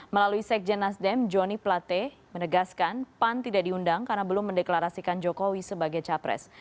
melalui sekjen nasdem joni plate menegaskan pan tidak diundang karena belum mendeklarasikan jokowi sebagai capres